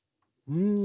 うん。